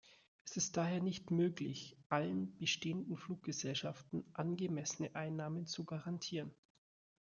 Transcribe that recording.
Es ist daher nicht möglich, allen bestehenden Fluggesellschaften angemessene Einnahmen zu garantieren.